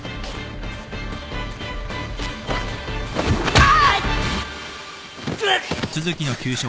あっ。